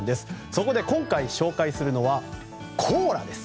そこで今回紹介するのはコーラです。